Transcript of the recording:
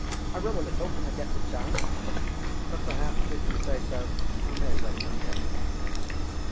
I row a little when I get the chance. But, perhaps, if you say so, I may have read something.